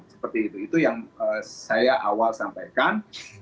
seperti itu itu yang saya awal sampaikan